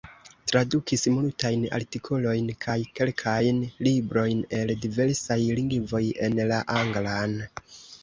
Tradukis multajn artikolojn kaj kelkajn librojn el diversaj lingvoj en la anglan.